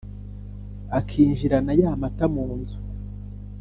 akinjirana yá matá mu nzu